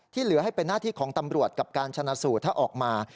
เหลือให้เป็นหน้าที่ของตำรวจกับการชนะสูตรถ้าออกมา